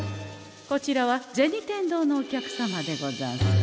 こちらは銭天堂のお客様でござんす。